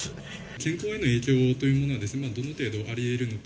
健康への影響というものは、どの程度ありえるのか。